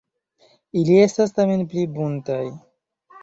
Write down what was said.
Ili estis tamen pli buntaj.